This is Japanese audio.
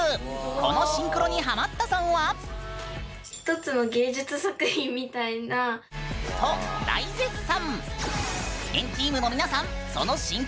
このシンクロにハマったさんは。と大絶賛！